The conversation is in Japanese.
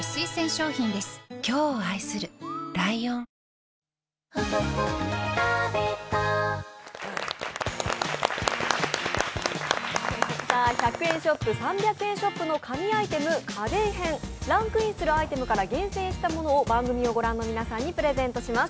ハブラシは薄さで選ぼう１００円ショップ、３００円ショップの神アイテム家電編、ランクインするアイテムから厳選したものを番組をご覧の皆さんにプレゼントします。